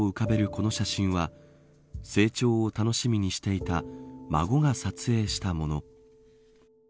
この写真は成長を楽しみにしていた孫が撮影したもの。